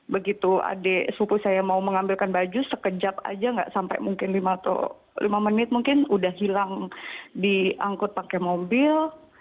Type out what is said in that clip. begitu adik suku saya mau mengambilkan baju sekejap aja nggak sampai mungkin lima menit mungkin udah hilang diangkut pakai mobil